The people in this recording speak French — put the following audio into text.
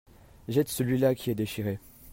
Jette celui-là qui est déchiré.